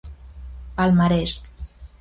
Palmarés.